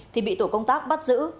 thì bị tổ công tác bắt giữ